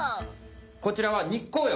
こちらは日光浴！